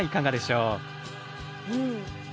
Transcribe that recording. うん。